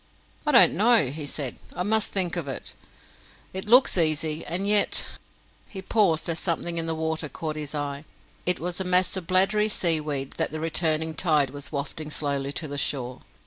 "I don't know," he said. "I must think of it. It looks easy, and yet " He paused as something in the water caught his eye. It was a mass of bladdery seaweed that the returning tide was wafting slowly to the shore.